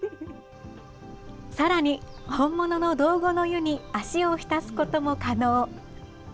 さらに本物の道後の湯に足を浸すことも可能。